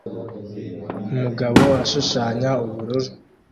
Umugabo ashushanya ubururu